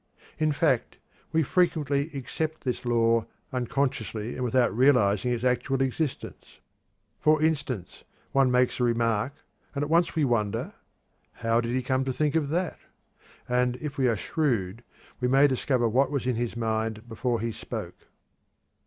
In fact, we frequently accept this law, unconsciously and without realizing its actual existence. For instance, one makes a remark, and at once we wonder, "How did he come to think of that?" and, if we are shrewd, we may discover what was in his mind before he spoke.